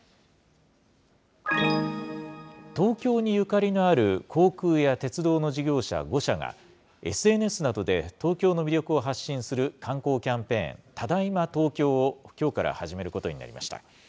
東京にゆかりのある航空や鉄道の事業者５社が、ＳＮＳなどで東京の魅力を発信する観光キャンペーン、ただいま東京を、きょうから始めることになりました。